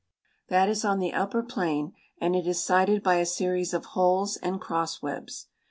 That is on the upper plane and it is sighted by a series of holes and cross webs.